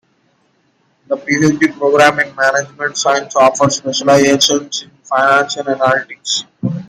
The PhD program in Management Science offers specializations in Finance and Analytics.